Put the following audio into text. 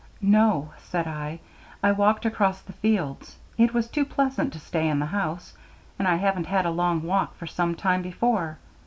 "No," said I, "I walked across the fields. It was too pleasant to stay in the house, and I haven't had a long walk for some time before."